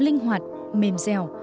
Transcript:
linh hoạt mềm dèo